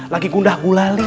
lagi gundah gulali